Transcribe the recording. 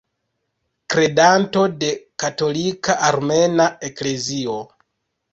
Kredanto de Katolika Armena Eklezio.